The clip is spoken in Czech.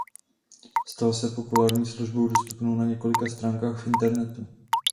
Stal se populární službou dostupnou na několika stránkách v Internetu.